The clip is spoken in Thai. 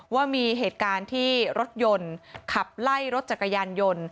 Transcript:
ว่ามีเหตุการณ์ที่รถยนต์ขับไล่รถจักรยานยนต์